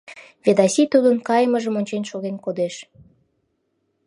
Ведаси тудын кайымыжым ончен шоген кодеш.